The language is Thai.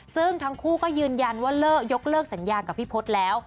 ซึ่งทั้งคู่ก็ยืนยันว่าเลิกยกเลิกสัญญากับพี่พศแล้ว